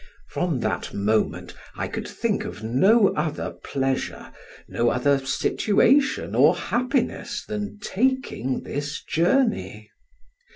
From that moment I could think of no other pleasure, no other situation or happiness than taking this journey.